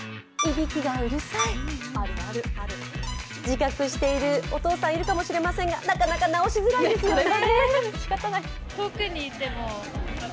自覚しているお父さんいるかもしれませんがなかなか直しづらいですよね。